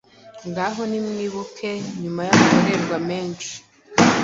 Ngaho nimwibuke , nyuma y’amarorerwa menshi,